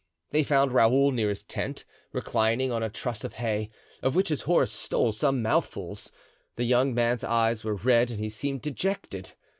They found Raoul near his tent, reclining on a truss of hay, of which his horse stole some mouthfuls; the young man's eyes were red and he seemed dejected.